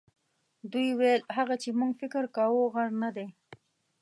دوی ویل هغه چې موږ فکر کاوه غر نه دی.